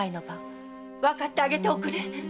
〔わかってあげておくれ。